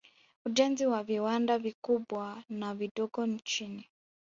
Ujenzi wa viwanda vikubwa na vidogo nchini